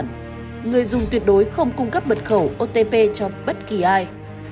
nếu không người dùng tuyệt đối không cung cấp mật khẩu otp cho bất kỳ ai